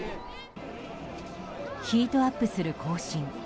ヒートアップする行進。